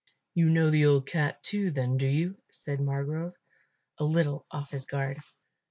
"You know the old cat too, then, do you?" said Margrove, a little off his guard.